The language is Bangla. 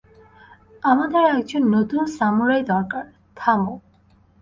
আমাদের একজন নতুন সামুরাই দরকার, থামো!